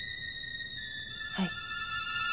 はい。